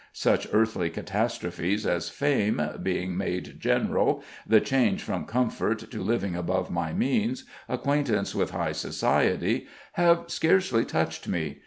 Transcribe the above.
Such earthly catastrophes as fame, being made General, the change from comfort to living above my means, acquaintance with high society, have scarcely touched me.